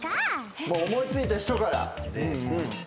もう思い付いた人から。